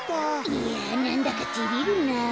いやなんだかてれるなあ。